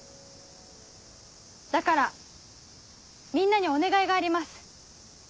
だからみんなにお願いがあります。